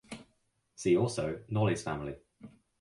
See also Knollys family.